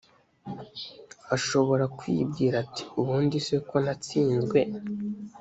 ashobora kwibwira ati ubundi se ko natsinzwe